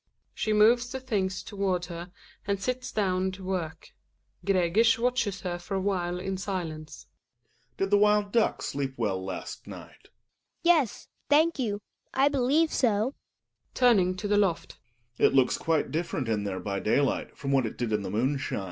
She moves the things towards her and sits down to work; Gregers watches her for a while in silence, Gregers. Di d the wild du ckjsl eep well las t^ nj^ht ? rifift>^^(S^ Hedvig. Yes, thank you, I believe so. Gregers {turning to the loft). It looks quite different in there by daylight f rom what it did in the moon shine.